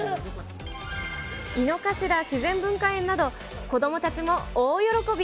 井の頭自然文化園など、子どもたちも大喜び。